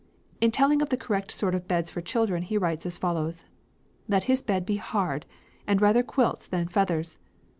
In telling of the correct sort of beds for children he writes as follows: "Let his Bed be hard, and rather Quilts than Feathers.